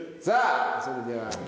さあそれでは。